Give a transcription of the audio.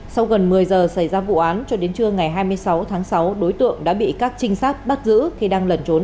sau gần một mươi giờ xảy ra vụ án cho đến trưa ngày hai mươi sáu tháng sáu đối tượng đã bị các trinh sát bắt giữ khi đang lẩn trốn